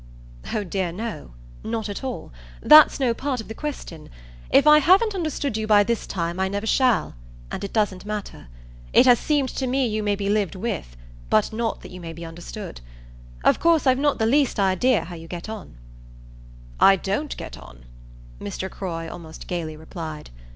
"Oh dear, no; not at all. That's no part of the question. If I haven't understood you by this time I never shall, and it doesn't matter. It has seemed to me you may be lived with, but not that you may be understood. Of course I've not the least idea how you get on." "I don't get on," Mr. Croy almost gaily replied.